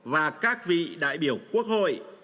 và các vị đại biểu quốc hội